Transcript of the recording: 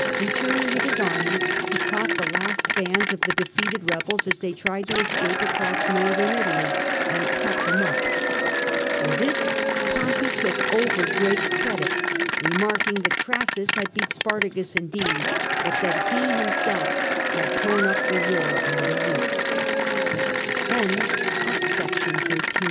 Returning with his army, he caught the last bands of the defeated rebels as they tried to escape across Northern Italy and cut them up. For this Pompey took over great credit, remarking that Orassus had beaten Spartacus indeed, but that he himself had '' tom up the